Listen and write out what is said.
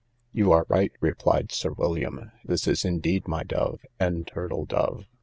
You are right, replied Sir William; this is indeed my dove, and turtle dove.